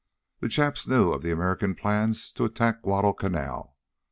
_The Japs knew of the American plans to attack Guadalcanal!